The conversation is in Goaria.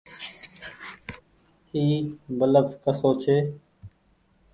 اي بلڦ ڪسو ڇي۔